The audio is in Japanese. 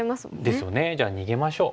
じゃあ逃げましょう。